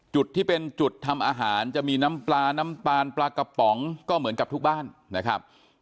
จุดที่เป็นจุดทำอาหารจะมีน้ำปลาน้ำตาลปลากระป๋องก็เหมือนกับทุกบ้านนะครับ